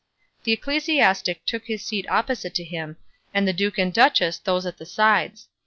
The ecclesiastic took his seat opposite to him, and the duke and duchess those at the sides.